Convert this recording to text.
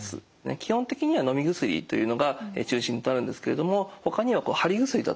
基本的にはのみ薬というのが中心となるんですけれどもほかにははり薬だとかですね